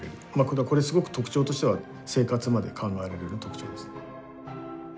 これすごく特徴としては生活まで考えられる特徴です。